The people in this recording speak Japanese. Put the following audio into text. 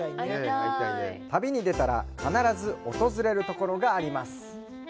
旅にでたら必ず訪れるところがあります。